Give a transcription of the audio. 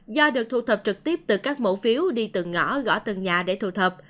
do được thu thập trực tiếp từ các mẫu phiếu đi từng ngõ gõ từng nhà để thu thập